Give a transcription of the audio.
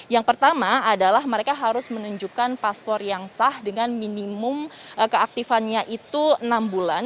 yang pertama adalah mereka harus menunjukkan paspor yang sah dengan minimum keaktifannya itu enam bulan